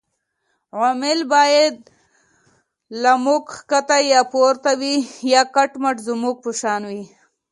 عوامل باید له موږ ښکته یا پورته وي یا کټ مټ زموږ په شان